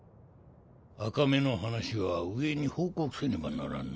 赤目の話は上に報告せねばならんな。